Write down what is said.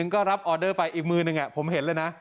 ก็รับออเดอร์ไปอีกมือหนึ่งผมเห็นเลยนะ